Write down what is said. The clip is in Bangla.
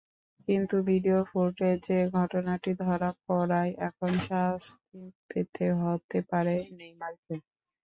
কিন্তু ভিডিও ফুটেজে ঘটনাটি ধরা পড়ায় এখন শাস্তি পেতে হতে পারে নেইমারকে।